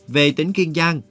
về tỉnh kiên giang